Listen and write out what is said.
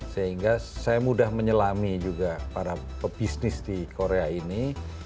sehingga saya mudah menyelami juga para pebisnis di korea ini